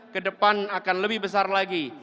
ke depan akan lebih besar lagi